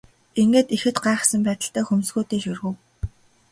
Тэгээд ихэд гайхсан байдалтай хөмсгөө дээш өргөв.